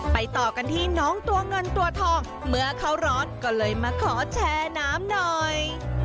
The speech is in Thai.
ต่อกันที่น้องตัวเงินตัวทองเมื่อเขาร้อนก็เลยมาขอแชร์น้ำหน่อย